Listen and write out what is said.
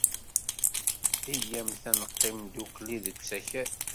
Iyyamt ad neqqim ddukkli deg usakal.